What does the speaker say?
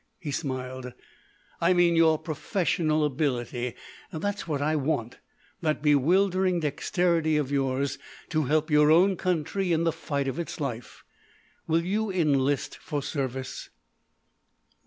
he smiled—"I mean your professional ability. That's what I want—that bewildering dexterity of yours, to help your own country in the fight of its life. Will you enlist for service?"